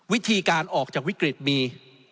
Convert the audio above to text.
วิธีการออกจากวิกฤตมี